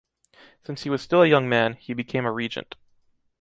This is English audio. Since he was still a young man, he became a regent.